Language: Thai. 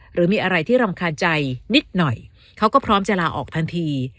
หรือมีอะไรที่รำคาญใจนิดหน่อยเขาก็พร้อมจะลาออกทันที